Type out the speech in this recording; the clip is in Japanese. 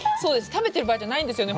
食べてる場合じゃないんですよね。